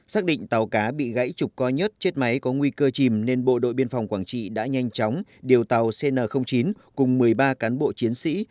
xác định tàu cá bị gãy trục coi nhất chết máy có nguy cơ chìm nên bộ đội biên phòng quảng trị đã nhanh chóng điều tàu cn chín cùng một mươi ba cán bộ chiến sĩ